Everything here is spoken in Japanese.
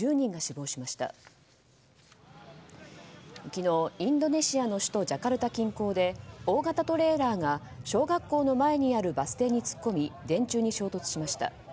昨日、インドネシアの首都ジャカルタ近郊で大型トレーラーが小学校の前にあるバス停に突っ込み、電柱に衝突しました。